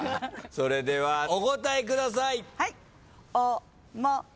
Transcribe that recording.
それではお答えください。